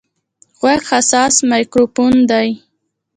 غوږ حساس مایکروفون دی.